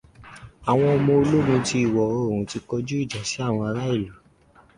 Àwọn ọmọ ológun ti ìwọ̀ oòrùn ti kọjú ìjà sí àwọn ará ìlú